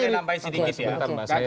aku boleh nampain sedikit ya